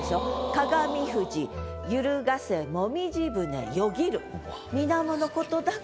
「鏡富士ゆるがせ紅葉舟よぎる」。